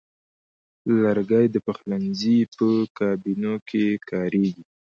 لرګی د پخلنځي په کابینو کې کاریږي.